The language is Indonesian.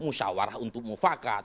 musyawarah untuk mufakat